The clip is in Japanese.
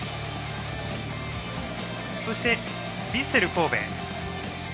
そして、ヴィッセル神戸。